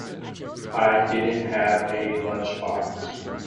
I didn't have a lunch box.